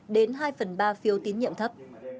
đến hai phần ba phiếu tín nhiệm thấp